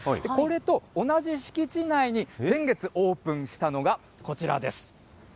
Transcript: これと同じ敷地内に、先月オープンしたのが、こちらです。